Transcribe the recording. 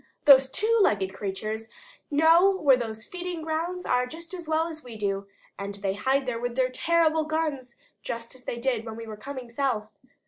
Those two legged creatures know where those feeding grounds are just as well as we do, and they hide there with their terrible guns just as they did when we were coming south.